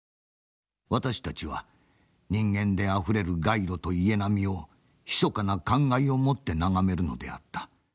私たちは人間であふれる街路と家並みをひそかな感慨を持って眺めるのであった。